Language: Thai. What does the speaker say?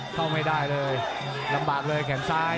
เข้าไม่ได้เลยลำบากเลยแขนซ้าย